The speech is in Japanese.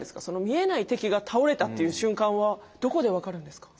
見えない敵が倒れたっていう瞬間はどこで分かるんですか？